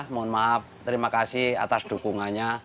mohon maaf terima kasih atas dukungannya